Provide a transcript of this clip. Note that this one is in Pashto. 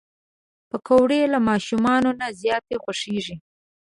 پکورې له ماشومانو نه زیات خوښېږي